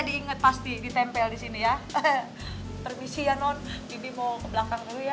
diinget pasti ditempel di sini ya permisi ya non bibi mau ke belakang dulu ya